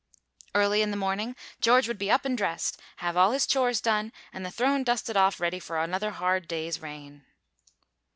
Early in the morning George would be up and dressed, have all his chores done and the throne dusted off ready for another hard day's reign.